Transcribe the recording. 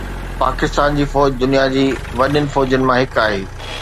پاڪستان جي فوج دنيا جي وڏين فوجن مان هڪ آهي.